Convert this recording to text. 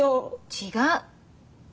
違う。